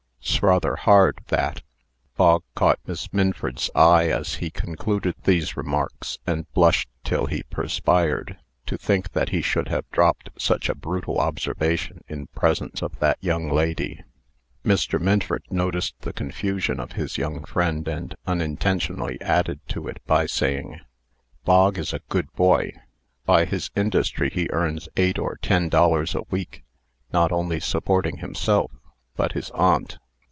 'S rather hard, that." Bog caught Miss Minford's eye as he concluded these remarks, and blushed till he perspired, to think that he should have dropped such a brutal observation in presence of that young lady. Mr. Minford noticed the confusion of his young friend, and unintentionally added to it, by saying: "Bog is a good boy. By his industry, he earns eight or ten dollars a week, not only supporting himself, but his aunt."